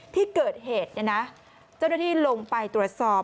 ที่เกิดเหตุเนี่ยนะเจ้าหน้าที่ลงไปตรวจสอบ